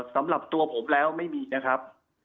สำหรับตัวผมแล้วไม่มีนะครับ